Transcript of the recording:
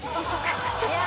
いや！